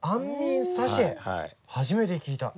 初めて聞いた。